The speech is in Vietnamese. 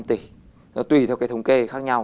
ba mươi năm tỷ nó tùy theo cái thống kê khác nhau